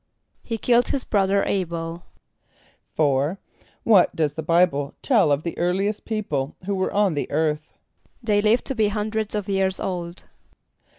=He killed his brother [=A]´b[)e]l.= =4.= What does the Bible tell of the earliest people who were on the earth? =They lived to be hundreds of years old.